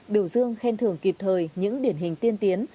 biểu dương khen thưởng kịp thời những điển hình tiên tiến